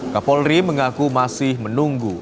kapolri mengaku masih menunggu